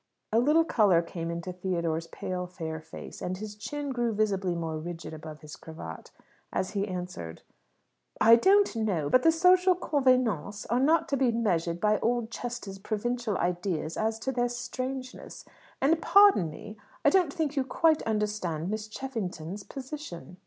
A little colour came into Theodore's pale fair face, and his chin grew visibly more rigid above his cravat, as he answered, "I don't know. But the social convenances are not to be measured by Oldchester's provincial ideas as to their strangeness. And pardon me I don't think you quite understand Miss Cheffington's position."